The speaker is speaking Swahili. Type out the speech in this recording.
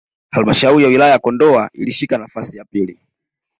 halmshauri ya wilaya ya Kondoa ilishika nafasi ya pili